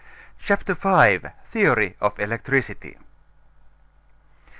CHAPTER V. THEORY OF ELECTRICITY.